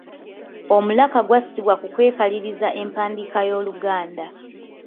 Omulaka gwassibwa ku kwekaliriza empandiika y’Oluganda.